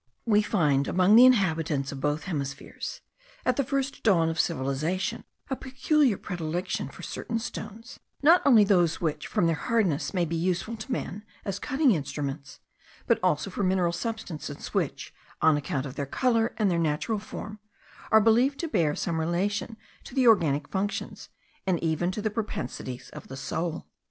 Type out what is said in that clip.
We find among the inhabitants of both hemispheres, at the first dawn of civilization, a peculiar predilection for certain stones; not only those which, from their hardness, may be useful to man as cutting instruments, but also for mineral substances, which, on account of their colour and their natural form, are believed to bear some relation to the organic functions, and even to the propensities of the soul.